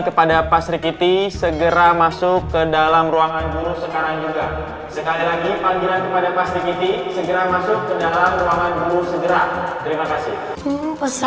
kepada pastrik iti segera masuk ke dalam ruangan guru sekarang juga sekali lagi panggilan kepada